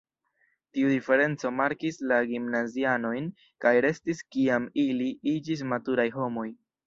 Tiu diferenco markis la gimnazianojn kaj restis kiam ili iĝis maturaj homoj.